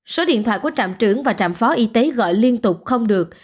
sau đó số điện thoại của trạm trưởng và trạm phó y tế gọi liên tục không được